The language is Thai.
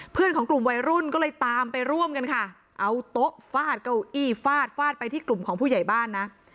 ของกลุ่มวัยรุ่นก็เลยตามไปร่วมกันค่ะเอาโต๊ะฟาดเก้าอี้ฟาดฟาดไปที่กลุ่มของผู้ใหญ่บ้านนะ